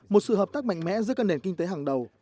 một sự hợp tác mạnh mẽ giữa các nền kinh tế hàng đầu